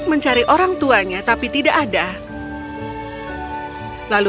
dia mencari orang yang berada di dalam rumah